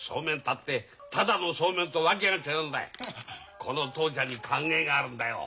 この父ちゃんに考えがあるんだよ。